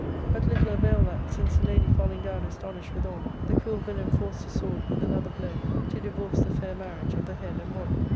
But little availed that, since the lady falling down astonished withal, the cruel villain forced the sword with another blow to divorce the fair marriage of the head and body.